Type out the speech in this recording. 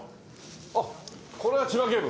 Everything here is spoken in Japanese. あっこれは千葉警部！